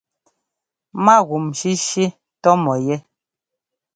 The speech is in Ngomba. Mágúm shíshí tɔ́ mɔ yɛ́.